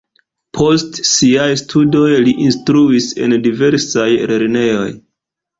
Post siaj studoj li instruis en diversaj lernejoj.